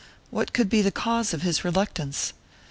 What could be the cause of his reluctance?